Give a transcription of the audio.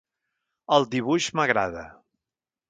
El dibuix m'agrada.